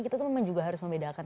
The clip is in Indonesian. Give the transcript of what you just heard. kita tuh memang juga harus membedakan